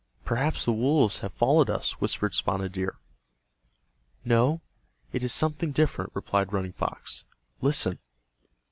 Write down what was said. "Perhaps the wolves have followed us," whispered Spotted Deer. "No, it is something different," replied Running Fox. "Listen."